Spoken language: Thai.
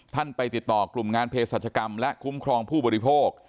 ไปติดต่อกลุ่มงานเพศรัชกรรมและคุ้มครองผู้บริโภค